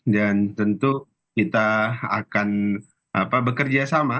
dan tentu kita akan bekerja sama